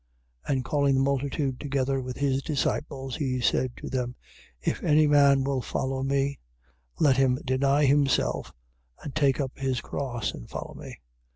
8:34. And calling the multitude together with his disciples, he said to them: If any man will follow me, let him deny himself and take up his cross and follow me.